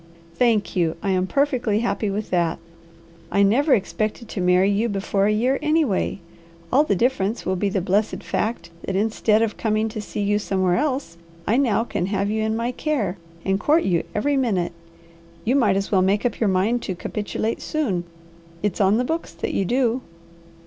"Thank you! I am perfectly happy with that. I never expected to marry you before a year, anyway. All the difference will be the blessed fact that instead of coming to see you somewhere else, I now can have you in my care, and court you every minute. You might as well make up your mind to capitulate soon. It's on the books that you do."